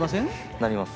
なります。